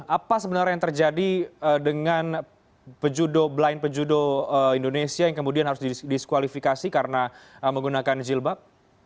apa sebenarnya yang terjadi dengan blind pejudo indonesia yang kemudian harus didiskualifikasi karena menggunakan jilbab